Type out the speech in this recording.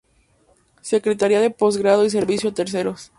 Secretaría de Posgrado y Servicios a Terceros.